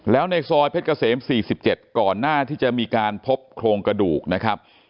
แล้วในซอยเพชรเกษม๔๗ก่อนหน้าที่จะมีการพบโครงกระดูกนะครับ